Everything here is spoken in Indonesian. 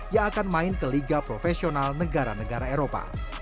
yang akan main ke liga profesional negara negara eropa